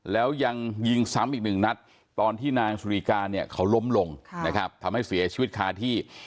แล้วยังยิงซ้ำอีกหนึ่งนัดตอนที่นางสุริการเนี่ยเขาล้มลงนะครับทำให้เสียชีวิตคาที่